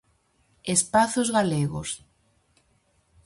Espazos galegos.